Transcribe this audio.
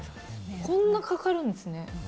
こんなかかるんですね。